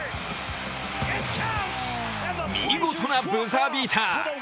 見事なブザービーター。